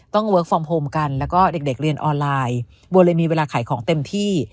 เวิร์คฟอร์มโฮมกันแล้วก็เด็กเรียนออนไลน์บัวเลยมีเวลาขายของเต็มที่